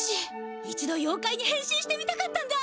一度ようかいにへん身してみたかったんだ！